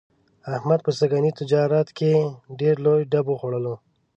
احمد په سږني تجارت کې ډېر لوی ډب وخوړلو.